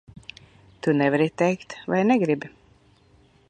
Tu nevari teikt vai negribi?